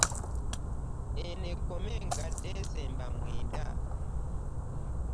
Eno ekome nga, Ddesemba mwenda